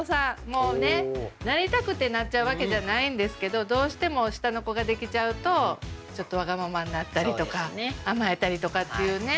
もうねなりたくてなっちゃうわけじゃないんですけどどうしても下の子ができちゃうとちょっとわがままになったりとか甘えたりとかっていうね。